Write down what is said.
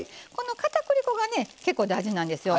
かたくり粉が結構大事なんですよ。